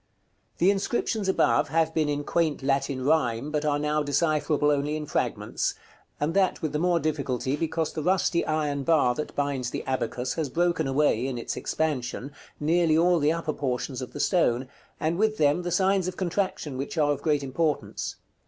The inscriptions above have been in quaint Latin rhyme, but are now decipherable only in fragments, and that with the more difficulty because the rusty iron bar that binds the abacus has broken away, in its expansion, nearly all the upper portions of the stone, and with them the signs of contraction, which are of great importance.